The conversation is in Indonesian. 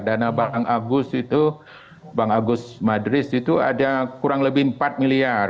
dana bank agus itu bang agus madris itu ada kurang lebih empat miliar